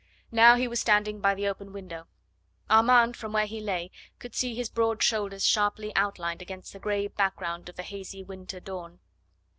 Now he was standing by the open window. Armand, from where he lay, could see his broad shoulders sharply outlined against the grey background of the hazy winter dawn.